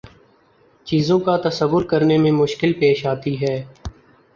چیزوں کا تصور کرنے میں مشکل پیش آتی ہے